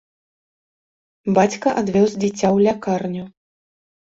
Бацька адвёз дзіця ў лякарню.